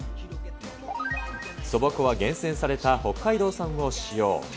そば粉は厳選された北海道産を使用。